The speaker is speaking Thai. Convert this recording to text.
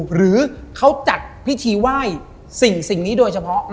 หรือเขาจัดพิธีไหว้สิ่งนี้โดยเฉพาะ